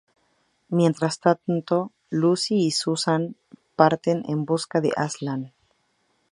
Mientras tanto, Lucy y Susan parten en busca de Aslan.